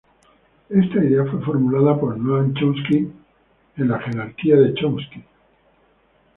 Esta idea fue formulada por Noam Chomsky en la Jerarquía de Chomsky.